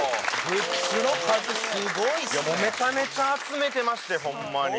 すごい！めちゃめちゃ集めてましてホンマに。